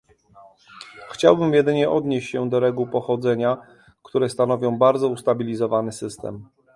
Chciałbym jedynie odnieść się do reguł pochodzenia, które stanowią bardzo ustabilizowany system